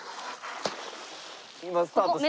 今スタートした。